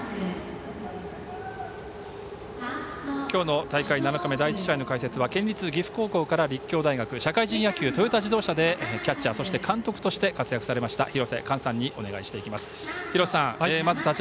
きょうの大会７日目第１試の解説は県立岐阜高校から立教大学、社会人野球トヨタ自動車でキャッチャー監督として活躍されました廣瀬寛さんです。